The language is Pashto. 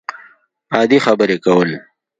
عادي خبرې کول